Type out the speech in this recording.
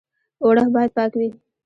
اوړه باید پاک وي